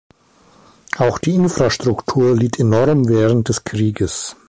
Auch die Infrastruktur litt enorm während des Krieges.